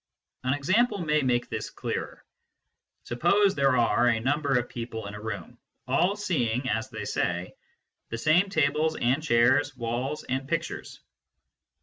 An example may make this clearer. Suppose there are a number of people in a room, all seeing, as they say, the same tables and chairs, walls and pictures.